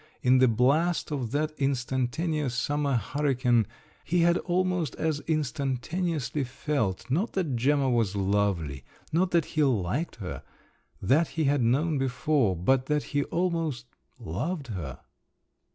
In the blast of that instantaneous summer hurricane, he had almost as instantaneously felt, not that Gemma was lovely, not that he liked her—that he had known before … but that he almost … loved her!